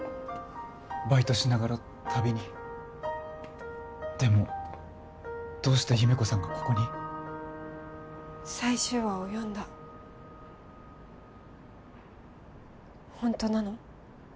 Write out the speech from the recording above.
バイトしながら旅にでもどうして優芽子さんがここに最終話を読んだホントなの？